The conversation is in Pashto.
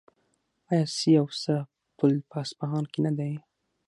آیا سي او سه پل په اصفهان کې نه دی؟